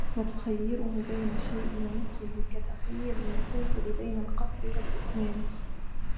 وَتَخَيُّرُهُ بَيْنَ الشَّيْءِ وَنِصْفِهِ كَتَخْيِيرِ الْمُسَافِرِ بَيْنَ الْقَصْرِ وَالْإِتْمَامِ